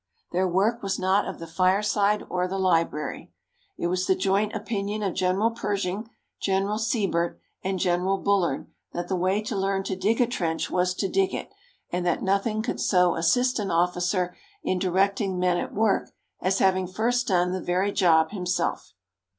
Their work was not of the fireside or the library. It was the joint opinion of General Pershing, General Sibert, and General Bullard that the way to learn to dig a trench was to dig it, and that nothing could so assist an officer in directing men at work as having first done the very same job himself.